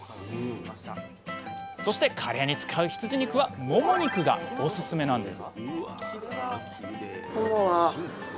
そしてカレーに使う羊肉はもも肉がオススメなんです！